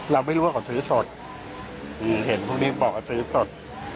เราไม่รู้ว่าเขาซื้อสดเห็นพวกนี้บอกว่าซื้อสด